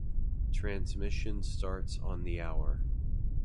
Transmission starts on the hour.